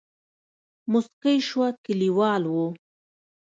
موسکۍ شوه کليوال وو.